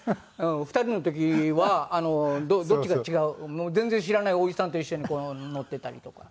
２人の時はどっちか違う全然知らないおじさんと一緒にこう乗ってたりとかします。